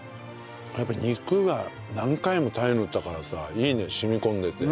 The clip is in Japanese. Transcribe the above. やっぱり肉が何回もタレ塗ったからさいいね染み込んでて。